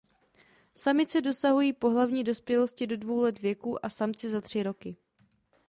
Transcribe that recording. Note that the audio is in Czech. Samice dosahují pohlavní dospělosti do dvou let věku a samci za tři roky.